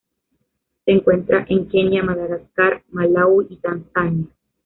Se encuentra en Kenia Madagascar Malaui y Tanzania.